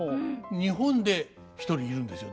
日本で一人いるんですよ